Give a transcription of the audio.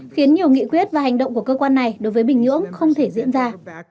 khiến nhiều nghị quyết và hành động của cơ quan này đối với bình nhưỡng không thể diễn ra